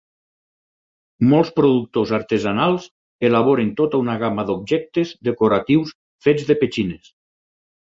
Molts productors artesanals elaboren tota una gamma d'objectes decoratius fets de petxines.